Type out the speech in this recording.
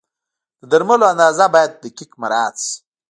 د درملو اندازه باید دقیق مراعت شي.